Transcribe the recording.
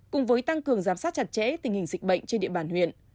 cùng với tăng cường giám sát chặt chẽ tình hình dịch bệnh trên địa bàn huyện